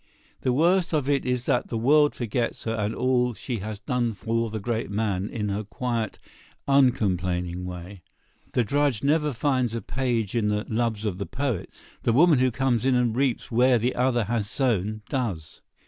The worst of it is that the world forgets her and all she has done for the great man in her quiet, uncomplaining way. The drudge never finds a page in the "Loves of the Poets." The woman who comes in and reaps where the other has sown, does.